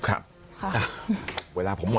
เธอจะบอกว่าเธอจะบอกว่า